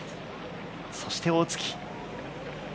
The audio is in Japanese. そして大槻。